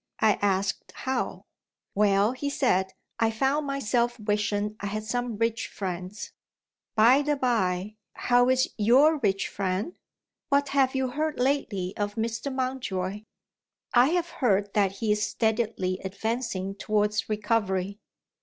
I asked how. "Well," he said, "I found myself wishing I had some rich friends. By the bye, how is your rich friend? What have you heard lately of Mr. Mountjoy?" "I have heard that he is steadily advancing towards recovery."